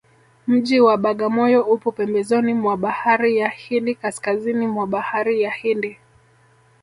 mji wa bagamoyo upo pembezoni mwa bahari ya hindi kaskazini mwa bahari ya hindi